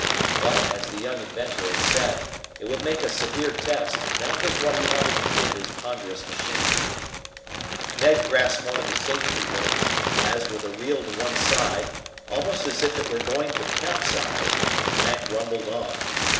But, as the young inventor had said, it would make a severe test and that was what he wanted to give his ponderous machine. Ned grasped one of the safety rings, as, with a reel to one side, almost as if it were going to capsize, the tank rumbled on.